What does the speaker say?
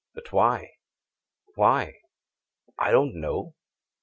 But why? Why? I don't know!